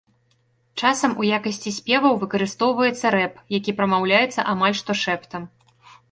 Часам у якасці спеваў выкарыстоўваецца рэп, які прамаўляецца амаль што шэптам.